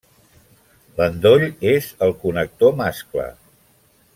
L'endoll és el connector mascle.